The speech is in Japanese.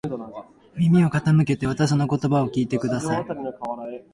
耳を傾けてわたしの言葉を聞いてください。